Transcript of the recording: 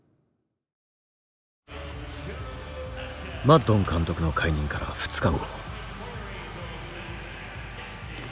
マッドン監督の解任から２日後。